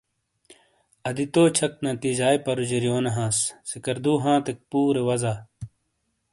ادیتو چَھک نتیجائی پرُوجریونے ہانس سکردو ہانیتک پورے وازا